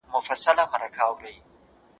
ولي زیارکښ کس د وړ کس په پرتله برخلیک بدلوي؟